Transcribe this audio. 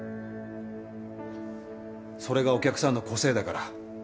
それがお客さんの個性だから。